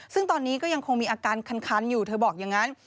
ซึ่งตอนนี้ก็ยังคงมีอาการคันอยู่เธอบอกอย่างนั้น